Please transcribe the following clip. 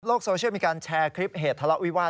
โซเชียลมีการแชร์คลิปเหตุทะเลาะวิวาส